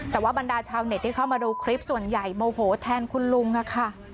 แต่ว่าบรรดาชาวเน็ตที่เข้ามาดูคลิปส่วนใหญ่โมโหแทนคุณลุงค่ะ